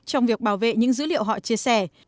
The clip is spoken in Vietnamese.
trong việc bảo vệ những dữ liệu họ chia sẻ